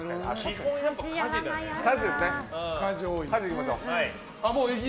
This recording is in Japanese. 家事いきましょう。